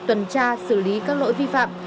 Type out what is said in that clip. tuần tra xử lý các lỗi vi phạm